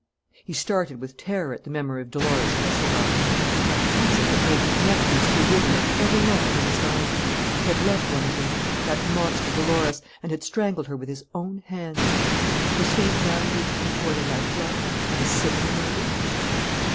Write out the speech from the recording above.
He started with terror at the memory of Dolores Kesselbach. What was it that made him connect these two women at every moment in his mind? He had loved one of them, that monster Dolores, and had strangled her with his own hands. Was fate now leading him toward a like love and a similar murder?